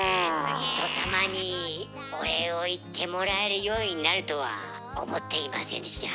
人様にお礼を言ってもらえるようになるとは思っていませんでした。